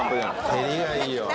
照りがいいよ。